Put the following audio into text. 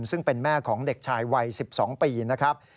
ซึ่งเป็นแม่ของเด็กชายวัย๑๒ปีนะครับ